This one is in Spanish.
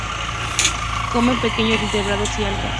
Come pequeños invertebrados y algas.